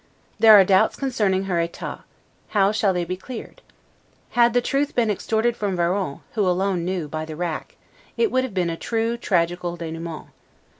There are doubts concerning her 'etat'; how shall they be cleared? Had the truth been extorted from Varon (who alone knew) by the rack, it would have been a true tragical 'denouement'.